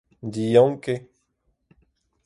Diank eo.